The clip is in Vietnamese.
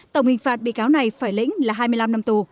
tổng hình phạt bị cáo này phải lĩnh là hai mươi năm năm tù